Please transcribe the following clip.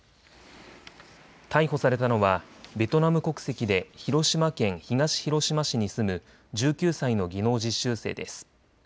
逮捕されたのはベトナム国籍で広島県東広島市に住む１９歳の技能実習生です。